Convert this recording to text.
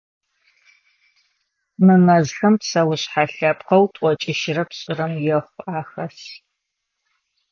Мы мэзхэм псэушъхьэ лъэпкъэу тӏокӏищрэ пшӏырэм ехъу ахэс.